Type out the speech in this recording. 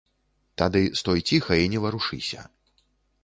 Тады стой ціха і не варушыся.